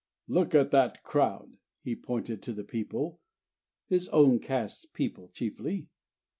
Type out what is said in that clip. "Look at that crowd," and he pointed to the people, his own caste people chiefly.